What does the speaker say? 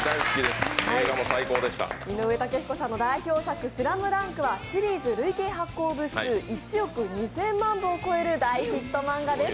井上雄彦さんの代表作「ＳＬＡＭＤＵＮＫ」はシリーズ累計発行部数１億２０００万部を超える大ヒット漫画です。